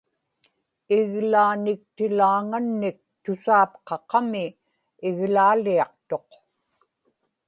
iglaaniktilaaŋannik tusaapqaqami iglaaliaqtuq